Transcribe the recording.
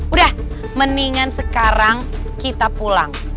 udah mendingan sekarang kita pulang